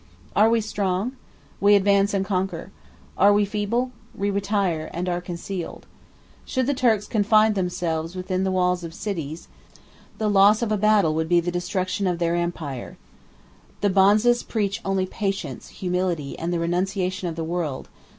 Are we strong? we advance and conquer: are we feeble? we retire and are concealed. Should the Turks confine themselves within the walls of cities, the loss of a battle would be the destruction of their empire. The bonzes preach only patience, humility, and the renunciation of the world.